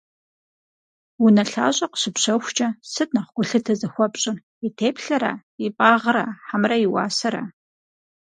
Унэлъащӏэ къыщыпщэхукӏэ сыт нэхъ гулъытэ зыхуэпщӏыр: и теплъэра, и фӏагъра хьэмэрэ и уасэра?